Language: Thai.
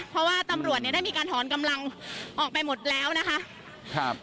เพราะว่าตำรวจเนี่ยได้มีการถอนกำลังออกไปหมดแล้วนะคะครับ